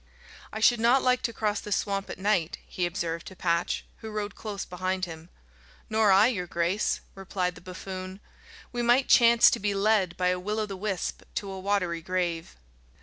"I should not like to cross this swamp at night," he observed to Patch, who rode close behind him. "Nor I, your grace," replied the buffoon. "We might chance to be led by a will o' the wisp to a watery grave."